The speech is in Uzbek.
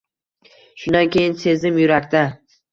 Shundan keyin sezdim yurakda